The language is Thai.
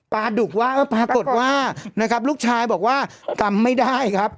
ดุกว่าก็ปรากฏว่านะครับลูกชายบอกว่าจำไม่ได้ครับ